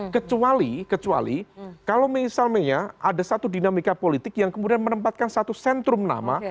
kecuali kecuali kalau misalnya ada satu dinamika politik yang kemudian menempatkan satu sentrum nama